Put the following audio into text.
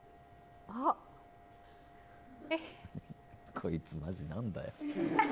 こいつ、マジ、なんだよ。